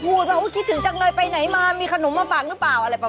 พูดว่าคิดถึงจังเลยไปไหนมามีขนมมาฝากหรือเปล่าอะไรประมาณ